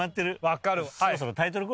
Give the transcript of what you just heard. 分かるわ。